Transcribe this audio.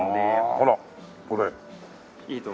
ほらこれ。